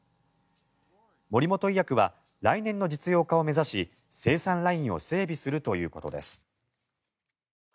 モリモト医薬は来年の実用化を目指し生産ラインを整備するということです。